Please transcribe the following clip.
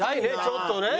ちょっとね。